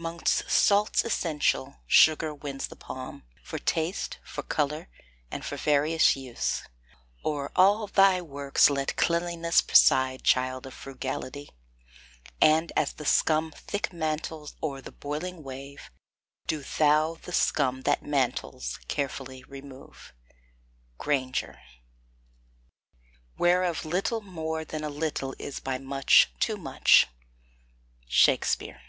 'Mongst salts essential, sugar wins the palm, For taste, for color, and for various use. O'er all thy works let cleanliness preside, Child of frugality; and as the scum Thick mantles o'er the boiling wave, do thou The scum that mantles carefully remove. GRAINGER. Whereof little More than a little is by much too much. SHAKSPEARE.